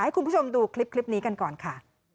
ให้คุณผู้ชมดูคลิปนี้กันก่อนค่ะ